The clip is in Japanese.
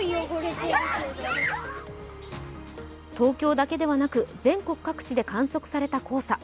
東京だけではなく全国各地で観測された黄砂。